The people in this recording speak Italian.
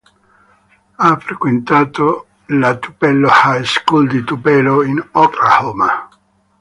Ha frequentato la Tupelo High School di Tupelo in Oklahoma.